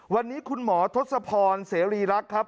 วันนี้คุณหมอทศพรเสรีรักษ์ครับ